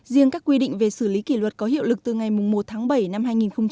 riêng các quy định về xử lý kỷ luật có hiệu lực từ ngày một tháng bảy năm hai nghìn một mươi chín